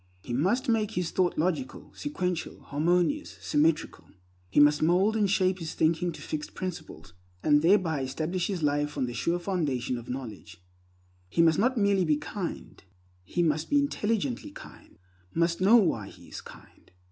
He must make his thought logical, sequential, harmonious, symmetrical. He must mold and shape his thinking to fixed principles, and thereby establish his life on the sure foundation of knowledge. He must not merely be kind, he must be intelligently kind; must know why he is kind.